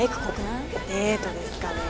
デートですかね？